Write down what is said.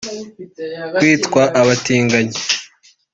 Kwitwa abatinganyi